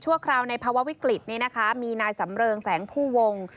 คราวในภาวะวิกฤตนี้นะคะมีนายสำเริงแสงผู้วง